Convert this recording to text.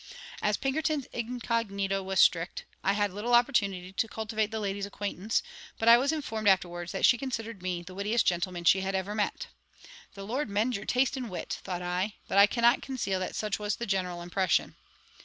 As Pinkerton's incognito was strict, I had little opportunity to cultivate the lady's acquaintance; but I was informed afterwards that she considered me "the wittiest gentleman she had ever met." "The Lord mend your taste in wit!" thought I; but I cannot conceal that such was the general impression.